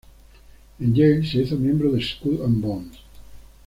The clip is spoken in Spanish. En Yale, se hizo miembro de Skull and Bones.